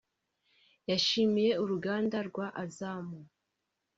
yashimiye uruganda rwa Azam